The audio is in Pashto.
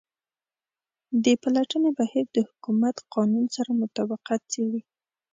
د پلټنې بهیر د حکومت قانون سره مطابقت څیړي.